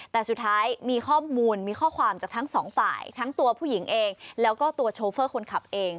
แต่สุดท้ายมีข้อมูลมีข้อความจากทั้งสองฝ่ายทั้งตัวผู้หญิงเองแล้วก็ตัวโชเฟอร์คนขับเอง